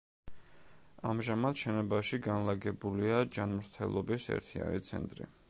ამჟამად შენობაში განლაგებულია ჯანმრთელობის ერთიანი ცენტრი.